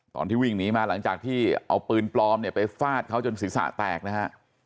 ตอนที่วิ่งหนีมาหลังจากที่เอาปืนปลอมเนี่ยไปฟาดเขาจนศีรษะแตกนะฮะ